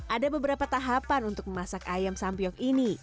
ada beberapa tahapan untuk memasak ayam sampiok ini